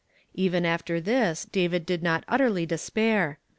Even after this, David did not utterly despair.